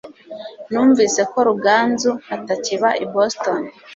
Numvise ko Ruganzu atakiba i Boston.